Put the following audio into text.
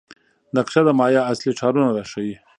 نقشه د مایا اصلي ښارونه راښيي.